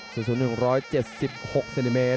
๐๑๗๖เซนติเมตร